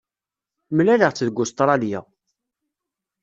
Mlaleɣ-tt deg Ustṛalya.